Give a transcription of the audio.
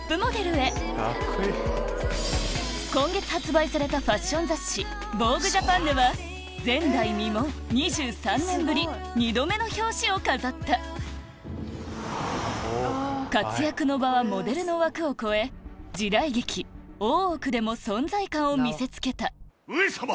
その後今月発売されたファッション雑誌『ＶＯＧＵＥＪＡＰＡＮ』では前代未聞２３年ぶり２度目の表紙を飾った活躍の場はモデルの枠を超え時代劇『大奥』でも存在感を見せつけた上さま！